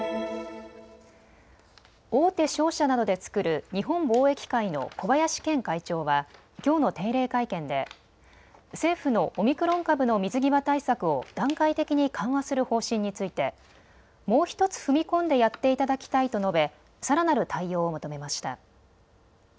大手商社などで作る日本貿易会の小林健会長はきょうの定例会見で政府のオミクロン株の水際対策を段階的に緩和する方針についてもう１つ踏み込んでやっていただきたいと述べさらなる対応を求めました。